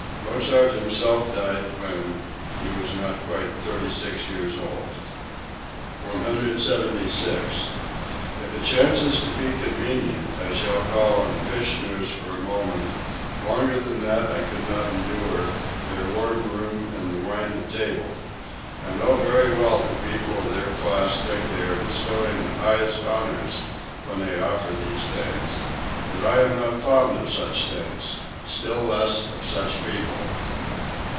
Mozart himself died when, he was not quite thirty six years old.) 176. "If it chances to be convenient I shall call on the Fischers for a moment; longer than that I could not endure their warm room and the wine at table. I know very well that people of their class think they are bestowing the highest honors when they offer these things, but I am not fond of such things, still less of such people."